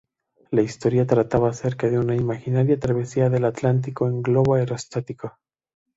La historia trataba acerca de una imaginaria travesía del Atlántico en globo aerostático.